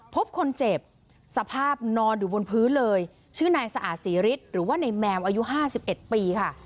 พบคนเจ็บสภาพนอนอยู่บนพื้นเลยชื่อนายสะอาดศรีฤทธิ์หรือว่าในแมวอายุ๕๑ปีค่ะ